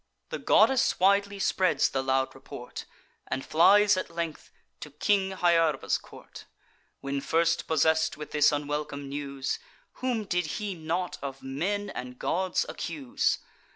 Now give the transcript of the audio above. The goddess widely spreads the loud report, And flies at length to King Hyarba's court. When first possess'd with this unwelcome news Whom did he not of men and gods accuse?